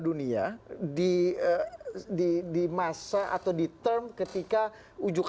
dunia di masa atau di term ketika ujuk